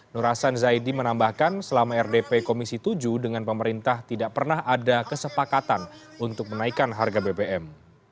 nur hasan zaidi menambahkan selama rdp komisi tujuh dengan pemerintah tidak pernah ada kesepakatan untuk menaikkan harga bbm